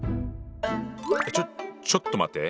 ちょちょっと待って。